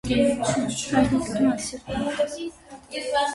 - Հայրիկ, դու անսիրտ մարդ ես: